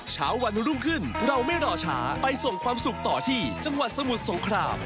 เช้าวันรุ่งขึ้นเราไม่รอช้าไปส่งความสุขต่อที่จังหวัดสมุทรสงคราม